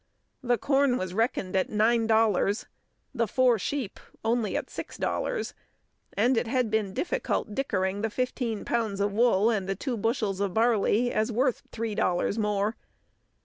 The corn was reckoned at nine dollars, the four sheep at only six dollars, and it had been difficult "dickering" the fifteen pounds of wool and the two bushels of barley as worth three dollars more.